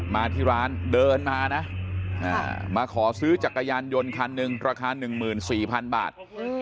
มาที่ร้านเดินมานะมาขอซื้อจักรยานยนต์คันหนึ่งราคา๑๔๐๐๐บาท